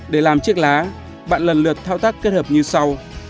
để làm chiếc lá bạn lần lượt thao tác kết hợp như sau